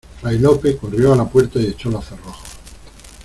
fray Lope corrió a la puerta y echó los cerrojos.